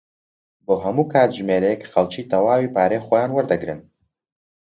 بۆ هەموو کاتژمێرێک خەڵکی تەواوی پارەی خۆیان وەردەگرن.